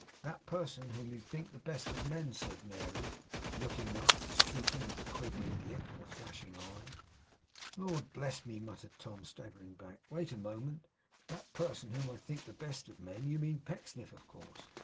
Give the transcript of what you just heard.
'That person whom you think the best of men,' said Mary, looking up, and speaking with a quivering lip and flashing eye. 'Lord bless me!' muttered Tom, staggering back. 'Wait a moment. That person whom I think the best of men! You mean Pecksniff, of course.